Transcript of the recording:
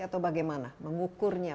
atau bagaimana mengukurnya